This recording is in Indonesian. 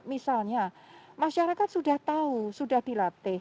misalnya masyarakat sudah tahu sudah dilatih